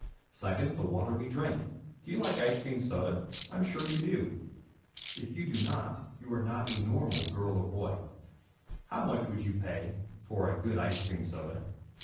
Second, the water we drink. Do you like ice cream soda? I am sure you do. If you do not you are not a normal girl or boy. How much do you have to pay for a good ice cream soda?